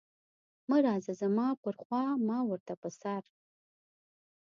مه راځه زما پر خوا ما ورته په سر.